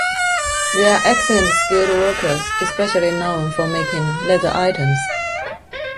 They are excellent skilled workers, especially known for making leather items.